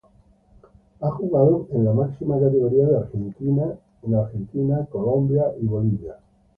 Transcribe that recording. Ha jugado en la máxima categoría en Argentina, Colombia y Bolivia.